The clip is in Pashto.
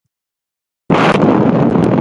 که تمرین منظم نه وي، څه پېښېږي؟